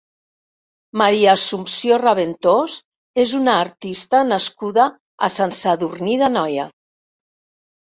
Maria Assumpció Raventós és una artista nascuda a Sant Sadurní d'Anoia.